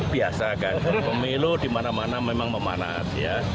biasa kan pemilu dimana mana memang memanas ya